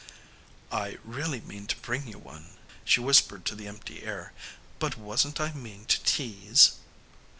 "I really meant to bring you one," she whispered to the empty air, "but wasn't I mean to tease?"